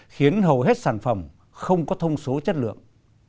khiến hầu hết sản phẩm không có thông số chất lượng